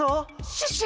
シュッシュ？